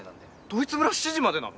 ドイツ村７時までなの？